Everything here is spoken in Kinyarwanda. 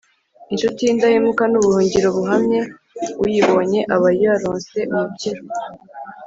Incuti y’indahemuka ni ubuhungiro buhamye, uyibonye aba yaronse umukiro